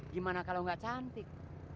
gimana kalau gak cantik